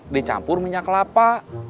dicampur minyak kelapa